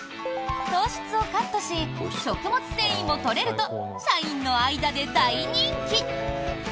糖質をカットし食物繊維も取れると社員の間で大人気。